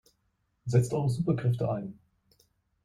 Setzt eure Superkräfte ein!